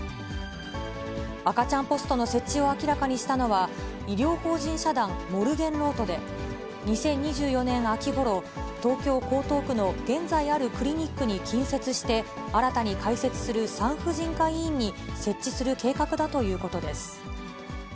赤ちゃんポストの設置を明らかにしたのは、医療法人社団モルゲンロートで、２０２４年秋ごろ、東京・江東区の現在あるクリニックに近接して、新たに開設する産婦人科医院に設置する計画だということです。